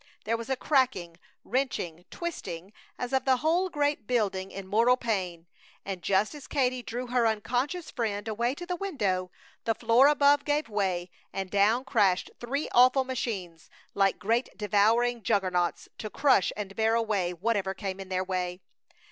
There was a cracking, wrenching, twisting, as of the whole great building in mortal pain, and just as Katie drew her unconscious friend away to the window the floor above gave way and down crashed three awful machines, like great devouring juggernauts, to crush and bear away whatever came in their way.